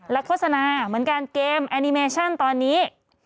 และโฆษณาเหมือนกันเกมแอนิเมชั่นตอนนี้